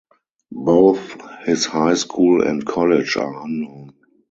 Both his high school and college are unknown.